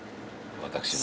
私も。